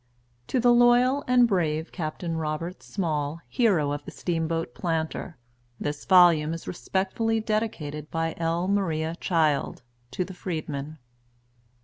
TO THE LOYAL AND BRAVE CAPTAIN ROBERT SMALL, Hero of the Steamboat Planter, THIS VOLUME IS RESPECTFULLY DEDICATED BY L. MARIA CHILD. TO THE FREEDMEN.